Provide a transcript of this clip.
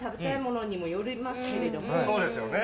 そうですよね。